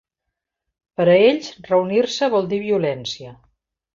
Per a ells reunir-se vol dir violència.